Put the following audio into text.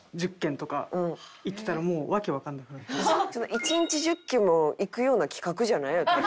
１日１０軒も行くような企画じゃないよ。